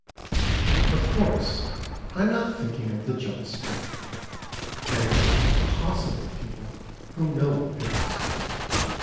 Of course I am not thinking of the jealous men. They are impossible people whom no one pities.